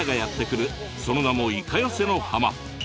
その名も「イカ寄せの浜」。